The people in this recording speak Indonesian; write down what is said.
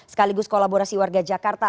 sekaligus kolaborasi warga jakarta